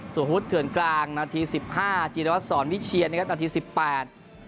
สวะหุยให้ถืนกลางนาทีสิบห้าจินรวดศรวิเชียรนาทีสิบแปด